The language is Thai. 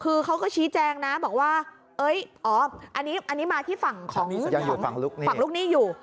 คือเขาก็ชี้แจงนะบอกว่าอันนี้มาที่ฝั่งลูกหนี้อยู่